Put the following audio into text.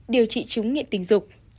bốn điều trị chứng nghiện tình dục